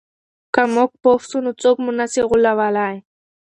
که موږ پوه سو نو څوک مو نه سي غولولای.